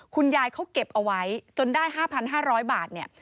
คุณยายเขาเก็บเอาไว้จนได้๕๕๐๐บาทเนี่ย